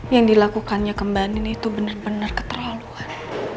yang dilakukannya kemban ini itu bener bener keterlaluan